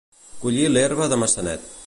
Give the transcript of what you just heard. Collir l'herba de Maçanet.